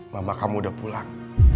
mama kamu udah pulang